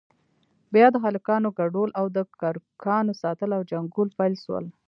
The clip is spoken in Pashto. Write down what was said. بيا د هلکانو گډول او د کرکانو ساتل او جنگول پيل سول.